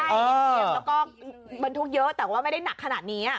ใช่แล้วก็บรรทุกเยอะแต่ว่าไม่ได้หนักขนาดนี้